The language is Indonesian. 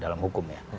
dalam hukum ya